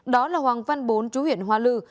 đó là hoàng văn bốn chú huyện hoa lư